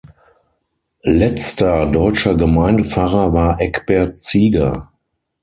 Letzter deutscher Gemeindepfarrer war Egbert Zieger.